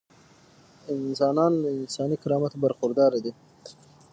انسانان له انساني کرامته برخورداره دي.